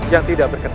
yang tidak berkenan